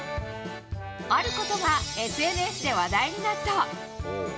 あることがＳＮＳで話題になった。